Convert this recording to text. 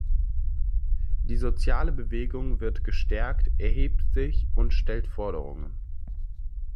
Die soziale Bewegung wird gestärkt, erhebt sich und stellt Forderungen.